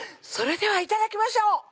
それでは頂きましょう！